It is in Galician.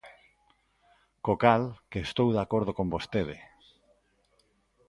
Co cal, ¿que estou de acordo con vostede?